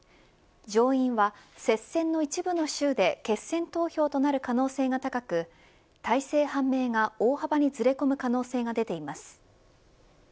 上院は接戦の一部の州で決選投票となる可能性が高く大勢判明が大幅にずれ込む可能性が出ています。